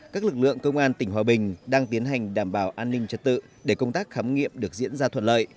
các lực lượng công an tỉnh hòa bình đang tiến hành đảm bảo an ninh trật tự để công tác khám nghiệm được diễn ra thuận lợi